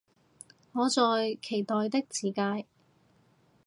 我在期待的自介